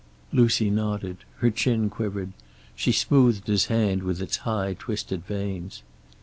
Lucy nodded. Her chin quivered. She smoothed his hand, with its high twisted veins.